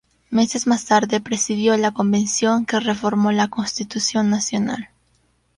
Meses más tarde, presidió la convención que reformó la Constitución Nacional.